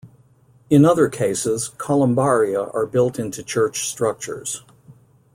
In other cases, columbaria are built into church structures.